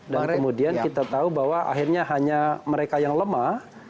dan kemudian kita tahu bahwa akhirnya hanya mereka yang lemah